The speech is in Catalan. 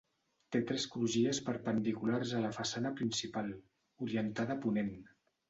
Té tres crugies perpendiculars a la façana principal, orientada a ponent.